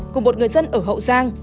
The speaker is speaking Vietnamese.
của một người dân ở hậu giang